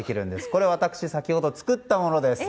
これ私、先ほど作ったものです。